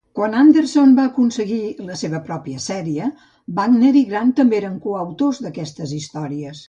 Quan Anderson va aconseguir la seva pròpia sèrie, Wagner i Grant també eren coautors d'aquestes històries.